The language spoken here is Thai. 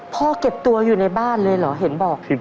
เก็บตัวอยู่ในบ้านเลยเหรอเห็นบอก